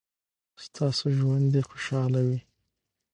ستاسو ژوند دې خوشحاله وي.